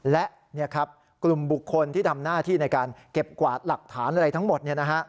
และกลุ่มบุคคลที่ทำหน้าที่ในการเก็บกวาดหลักฐานอะไรทั้งหมด